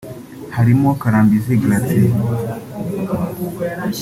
harimo Karambizi Gratien